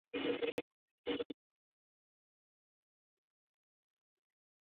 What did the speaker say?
西藏扭连钱为唇形科扭连钱属下的一个种。